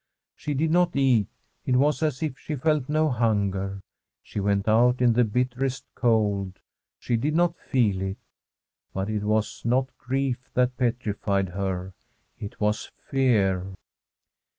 She did not eat ; it was as if she felt no hunger. She went out in the bitterest cold ; she did not feel it. But it was not grief that petrified her — it was fear.